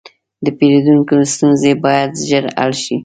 د پیرودونکو ستونزې باید ژر حل شي.